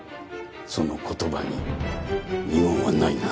その言葉に二言はないな？